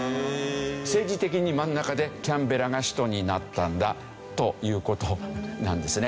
政治的に真ん中でキャンベラが首都になったんだという事なんですね。